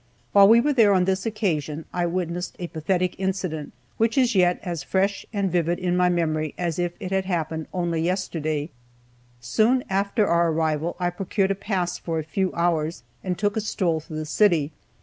While we were there on this occasion, I witnessed a pathetic incident, which is yet as fresh and vivid in my memory as if it had happened only yesterday. Soon after our arrival I procured a pass for a few hours, and took a stroll through the city.